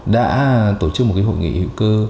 đã tổ chức một cái hội nghị hữu cơ